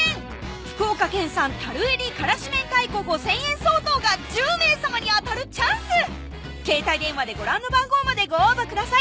福岡県産入り辛子明太子５，０００円相当が１０名様に当たるチャンス携帯電話でご覧の番号までご応募ください